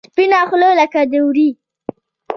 سپینه خوله لکه د ورې.